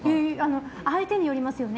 相手によりますよね。